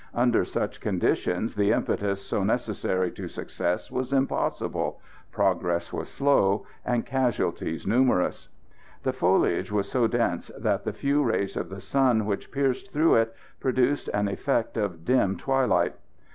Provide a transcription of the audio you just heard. Under such conditions the impetus so necessary to success was impossible, progress was slow, and casualties numerous. The foliage was so dense that the few rays of the sun which pierced through it produced an effect of dim twilight.